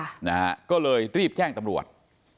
นะฮะก็เลยรีบแจ้งตำรวจ